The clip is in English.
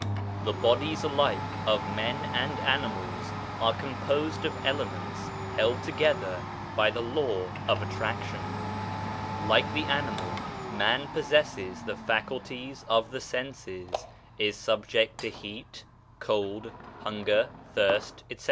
The bodies alike of men and animals are composed of elements held together by the law of attraction. Like the animal, man possesses the faculties of the senses, is subject to heat, cold, hunger, thirst, etc.